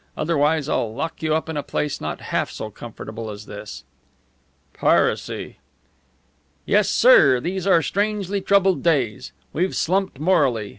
Otherwise, I'll lock you up in a place not half so comfortable as this." "Piracy!" "Yes, sir. These are strangely troubled days. We've slumped morally.